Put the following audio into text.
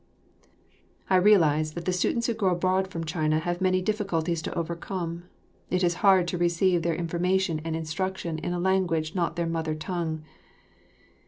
I realise that the students who go abroad from China have many difficulties to overcome. It is hard to receive their information and instruction in a language not their mother tongue.